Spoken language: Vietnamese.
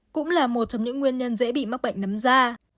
cũng là một trong những nguyên nhân dễ bị mắc bệnh nấm da